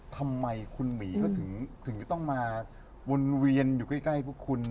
ทำไมคุณหมีเขาถึงจะต้องมาวนเวียนอยู่ใกล้พวกคุณ